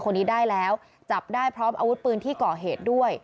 คนนี้ได้แล้วจับได้พร้อมอาวุธปืนที่ก่อเหตุด้วย